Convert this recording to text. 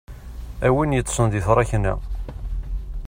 A win yeṭṭsen di tṛakna.